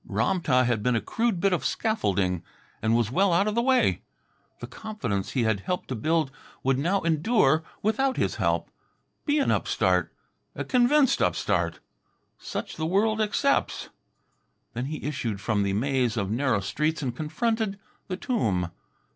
Ram tah had been a crude bit of scaffolding, and was well out of the way. The confidence he had helped to build would now endure without his help. Be an upstart. A convinced upstart. Such the world accepts. Then he issued from the maze of narrow streets and confronted the tomb.